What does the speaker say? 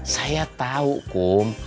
saya tahu kum